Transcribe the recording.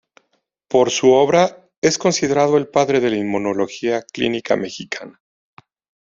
Por su obra, es considerado el padre de la inmunología clínica mexicana.